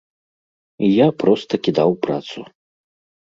І я проста кідаў працу.